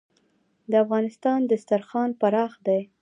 د افغانستان دسترخان پراخ دی